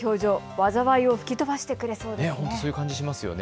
災いを吹き飛ばしてくれそうですね。